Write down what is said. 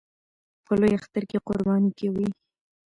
په لوی اختر کې قرباني کوي